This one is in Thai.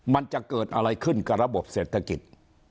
มันจะเกิดอะไรขึ้นกับระบบเศรษฐกิจ